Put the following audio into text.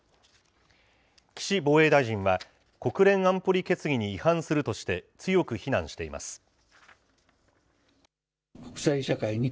岸防衛大臣は、国連安保理決議に違反するとして、強く非難しています。